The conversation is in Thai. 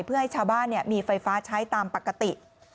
เพื่อให้ชาวบ้านมีไฟฟ้าใช้ตามปกติ